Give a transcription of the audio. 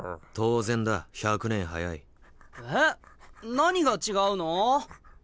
何が違うのぉ！？